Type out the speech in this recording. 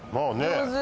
上手。